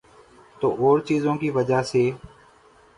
تو اورچیزوں کی وجہ سے۔